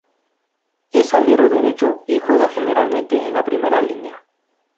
Es alero derecho y juega generalmente en la primera línea.